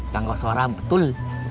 kang koswara betul